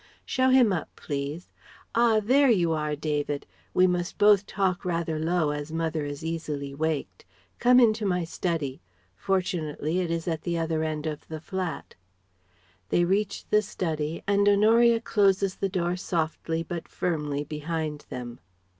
"Show him up, please.... Ah there you are, David. We must both talk rather low as mother is easily waked. Come into my study; fortunately it is at the other end of the flat." They reach the study, and Honoria closes the door softly but firmly behind them.